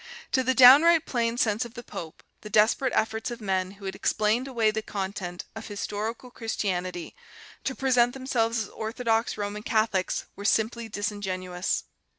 To the downright plain sense of the pope the desperate efforts of men who had explained away the content of historical Christianity to present themselves as orthodox Roman Catholics were simply disingenuous